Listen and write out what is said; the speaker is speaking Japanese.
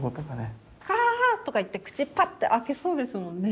カアーとか言って口パッて開けそうですもんね。